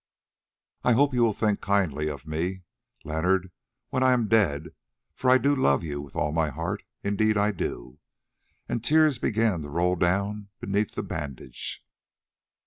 I hope you will think kindly of me, Leonard, when I am dead, for I do love you with all my heart, indeed I do." And tears began to roll down beneath the bandage.